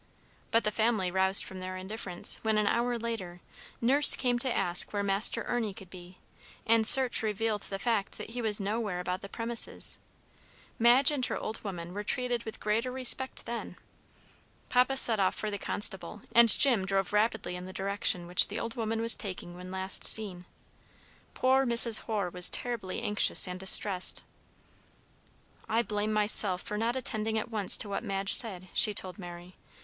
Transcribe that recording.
But the family roused from their indifference, when, an hour later, Nurse came to ask where Master Ernie could be, and search revealed the fact that he was nowhere about the premises. Madge and her old woman were treated with greater respect then. Papa set off for the constable, and Jim drove rapidly in the direction which the old woman was taking when last seen. Poor Mrs. Hoare was terribly anxious and distressed. "I blame myself for not attending at once to what Madge said," she told Mary.